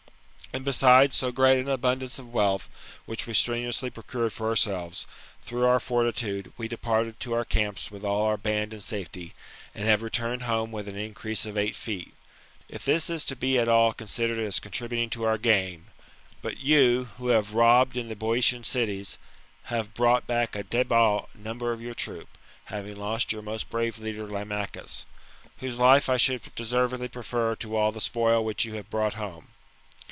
And besides so great an abundance of wealth, which we strenuously procured or ourselves, through our fortitude, we departed to our camps with all our band in safety, and have retiirned home with an increase of eight feet,' if this is to be at all considered as contributing to our gain. But you, who have robbed in the Boeotian cities, have brought back a debile number of your troop, having lost your most brave leader Lamachus, whose life I should deservedly prefer to all the spoil which you have brought home.